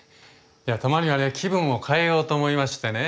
いやたまにはね気分を変えようと思いましてね。